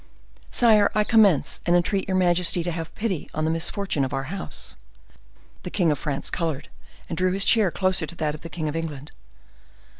"Sire, I commence, and entreat your majesty to have pity on the misfortunes of our house." The king of France colored, and drew his chair closer to that of the king of England.